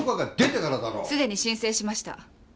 すでに申請しました。